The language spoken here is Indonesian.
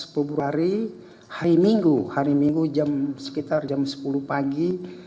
tujuh belas februari hari minggu hari minggu sekitar jam sepuluh pagi